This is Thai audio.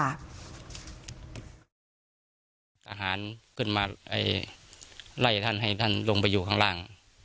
อาหารขึ้นมาไล่ท่านให้ท่านลงไปอยู่ข้างล่าง